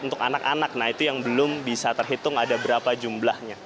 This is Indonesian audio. untuk anak anak nah itu yang belum bisa terhitung ada berapa jumlahnya